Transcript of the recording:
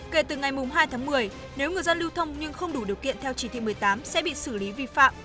kể từ ngày hai tháng một mươi nếu người dân lưu thông nhưng không đủ điều kiện theo chỉ thị một mươi tám sẽ bị xử lý vi phạm